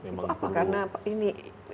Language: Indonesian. itu apa karena ini